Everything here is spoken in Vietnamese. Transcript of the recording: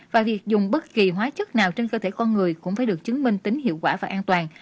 và việc dùng bất kỳ hóa chất nào trên cơ thể con người cũng phải được chứng minh tính hiệu quả và an toàn